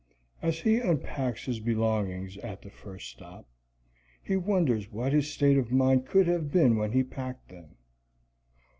As he unpacks his belongings at the first stop, he wonders what his state of mind could have been when he packed them.